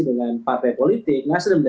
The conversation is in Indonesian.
dengan partai politik nasrim